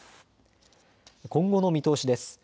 今後の見通しです。